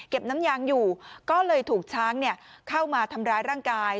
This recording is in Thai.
น้ำยางอยู่ก็เลยถูกช้างเข้ามาทำร้ายร่างกาย